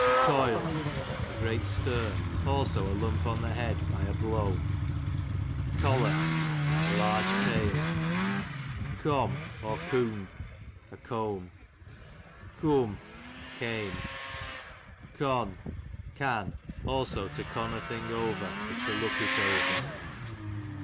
Coil, a great stir ; also a lump on the head, by a blow. CoUock, a large pale. Com, 1 „ la comb. Coomp.J Coom, came. Con, can ; also to con a thing over, is to look it over.